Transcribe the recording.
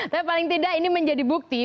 tapi paling tidak ini menjadi bukti